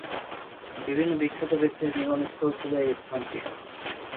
বিভিন্ন বিখ্যাত ব্যক্তির মিলনস্থল ছিল এই স্থানটি।